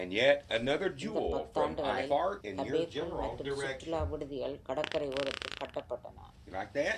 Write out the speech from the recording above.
இந்த பத்தாண்டுகளில், கஃபேக்கள் மற்றும் சுற்றுலா விடுதிகள் கடற்கரை ஓரத்தில் கட்டப்பட்டன.